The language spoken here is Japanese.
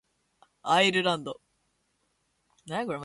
アイルランド